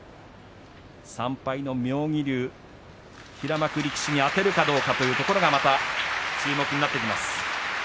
３敗の妙義龍、平幕力士にあてるかどうかというところがまた注目になってきます。